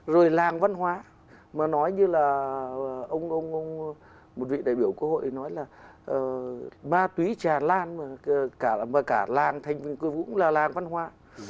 rồi làng văn hóa mà nói như là ông một vị đại biểu của hội nói là ma túy trà lan và cả làng thành văn hóa cũng là làng văn hóa